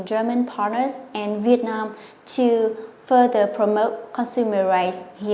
giữa cộng đồng việt nam và công nghiệp phòng chống dịch việt nam